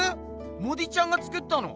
モディちゃんが作ったの？